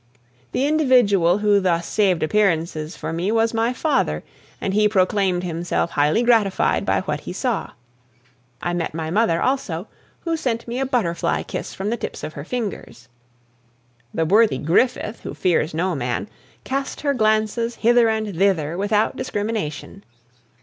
The individual who thus saved appearances for me was my father, and he proclaimed himself highly gratified by what he saw. I met my mother also, who sent me a butterfly kiss from the tips of her fingers. The worthy Griffith, who fears no man, cast her glances hither and thither without discrimination.